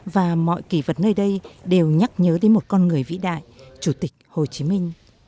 và mọi kỳ vật nơi đây đều nhắc nhớ đến một con người vĩ đại chủ tịch hồ chí minh